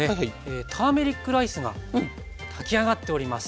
ターメリックライスが炊き上がっております。